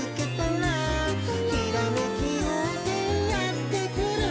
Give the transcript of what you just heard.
「ひらめきようせいやってくる」